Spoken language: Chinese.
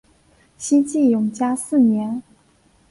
西晋永嘉四年。